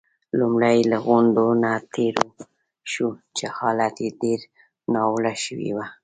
لومړی له غونډ نه تېر شوو، چې حالت يې ډېر ناوړه شوی وو.